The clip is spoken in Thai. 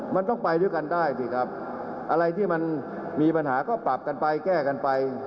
มีปัญหาก็ปรับกันไปแก้กันไป